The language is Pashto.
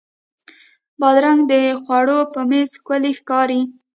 بادرنګ د خوړو په میز ښکلی ښکاري.